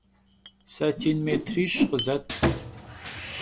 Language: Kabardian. Satin mêtriş khızet.